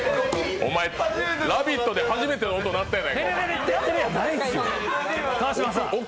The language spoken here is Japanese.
お前、「ラヴィット！」で初めての音鳴ったぞ！